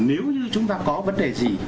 nếu như chúng ta có vấn đề gì